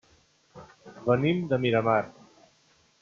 Venim de Miramar.